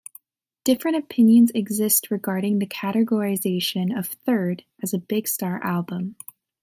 Different opinions exist regarding the categorization of "Third" as a Big Star album.